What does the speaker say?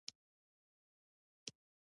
په آسمان کې د الوتکو غږ شو او زه وارخطا شوم